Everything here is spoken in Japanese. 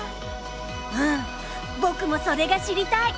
うん僕もそれが知りたい！